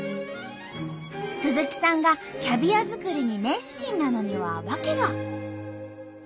鈴木さんがキャビア作りに熱心なのにはワケが。